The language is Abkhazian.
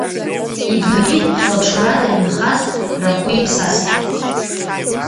Ибнакит хлаԥшрада инхаз рахәи-ԥсасеи.